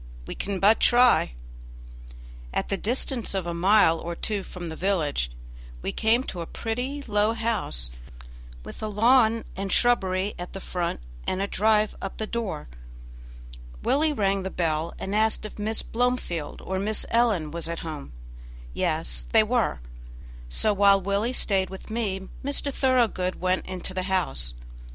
We can but try." At the distance of a mile or two from the village we came to a pretty, low house, with a lawn and shrubbery at the front and a drive up to the door. Willie rang the bell, and asked if Miss Blomefield or Miss Ellen was at home. Yes, they were. So, while Willie stayed with me, Mr. Thoroughgood went into the house.